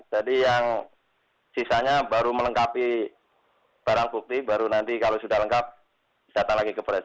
jadi yang sisanya baru melengkapi barang bukti baru nanti kalau sudah lengkap datang lagi ke polres